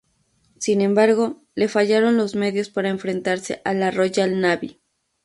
Sin embargo, le fallaron los medios para enfrentarse a la Royal Navy.